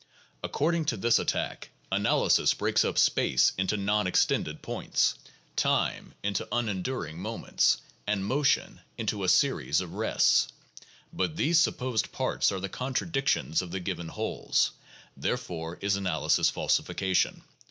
According to this attack analysis breaks up space into non extended points, time into unenduring moments, and motion into a series of rests. But these supposed parts are the contradictions of the given wholes. Therefore is analysis falsification.